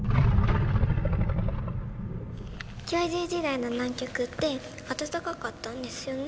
恐竜時代の南極って暖かかったんですよね？